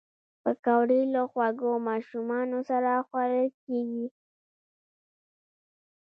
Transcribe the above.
پکورې له خوږو ماشومانو سره خوړل کېږي